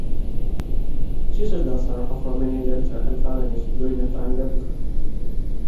She is the daughter of Romanian dancer and violinist Doina Trandabur.